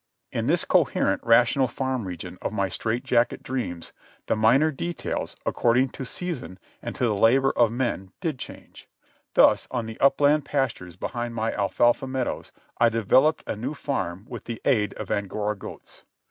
In this coherent, rational farm region of my strait jacket dreams the minor details, according to season and to the labour of men, did change. Thus on the upland pastures behind my alfalfa meadows I developed a new farm with the aid of Angora goats.